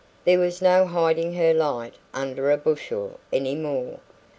There was no hiding her light under a bushel any more.